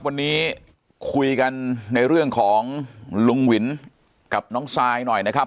วันนี้คุยกันในเรื่องของลุงวินกับน้องซายหน่อยนะครับ